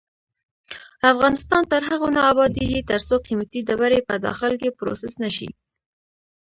افغانستان تر هغو نه ابادیږي، ترڅو قیمتي ډبرې په داخل کې پروسس نشي.